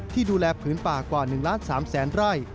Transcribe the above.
ที่ดูแลผืนป่ากว่า๑ล้าน๓แสนไร่